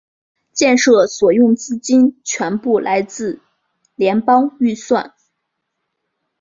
建设所用资金全部来自联邦预算。